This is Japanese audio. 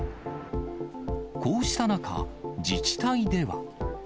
こうした中、自治体では。